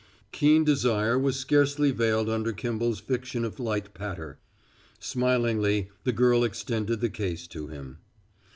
Keen desire was scarcely veiled under Kimball's fiction of light patter. Smilingly the girl extended the case to him.